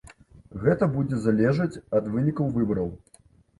Гэта будзе залежаць ад вынікаў выбараў.